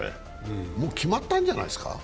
もう決まったんじゃないですか？